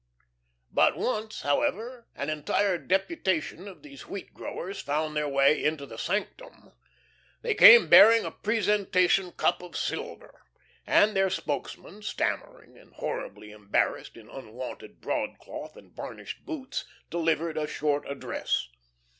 But once, however, an entire deputation of these wheat growers found their way into the sanctum. They came bearing a presentation cup of silver, and their spokesman, stammering and horribly embarrassed in unwonted broadcloth and varnished boots, delivered a short address.